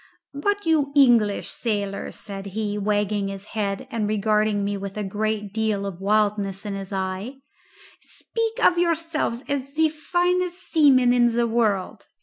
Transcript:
"But you English sailors," said he, wagging his head and regarding me with a great deal of wildness in his eye, "speak of yourselves as the finest seamen in the world.